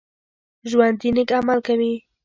ژوندي نیک عمل کوي